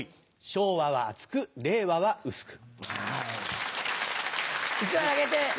昭和は厚く令和は薄く。